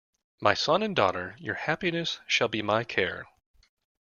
My son and daughter, your happiness shall be my care.